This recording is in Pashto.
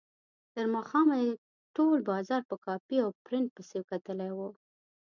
تر ماښامه یې ټول بازار په کاپي او پرنټ پسې کتلی و.